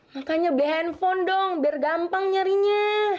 makanya beli handphone dong biar gampang nyarinya